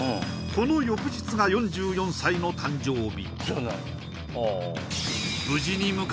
この翌日が４４歳の誕生日